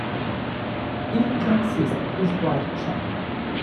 If you can assist, please write a cheque.